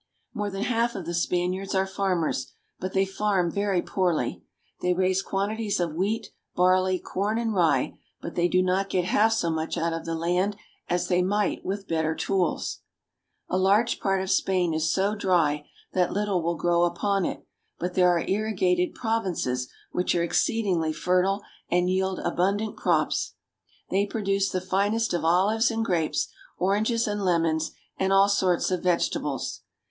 More than half of the Spaniards are farmers, but they farm very poorly. They raise quantities of wheat, barley, corn, and rye, but they do not get half so much out of the land as they might with better tools. "See the huge ox carts! " A large part of Spain is so dry that little will grow upon it, but there are irrigated provinces which are exceed ingly fertile, and yield abundant crops. They produce the finest of olives and grapes, oranges and lemons, and all sorts of vegetables.